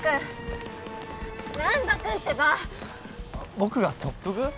僕が特服？